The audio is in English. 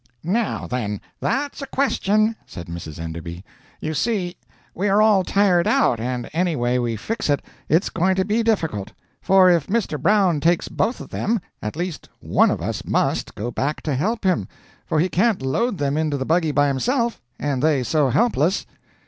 "Now, then, that's a question," said Mrs. Enderby. "You see, we are all tired out, and any way we fix it it's going to be difficult. For if Mr. Brown takes both of them, at least one of us must, go back to help him, for he can't load them into the buggy by himself, and they so helpless."